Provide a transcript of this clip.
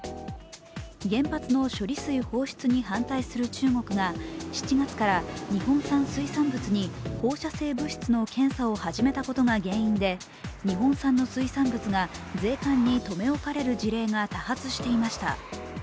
原発の処理水放出に反対する中国が７月から日本産水産物に放射性物質の検査を始めたことが原因で日本産の水産物が税関に留め置かれる事例が多発していました。